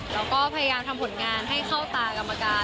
เราก็พยายามทำผลงานให้เข้าตากรรมการ